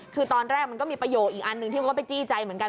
คือตอนแรกมันก็มีประโยคอีกอันหนึ่งที่เขาก็ไปจี้ใจเหมือนกัน